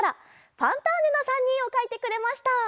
「ファンターネ！」の３にんをかいてくれました。